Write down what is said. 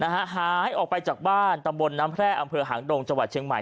หายออกไปจากบ้านตำบลน้ำแพร่อำเภอหางดงจังหวัดเชียงใหม่